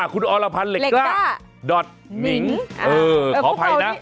อ่ะคุณอรพันเล็กก้าเล็กก้าดอทนิ้งเออขออภัยนะ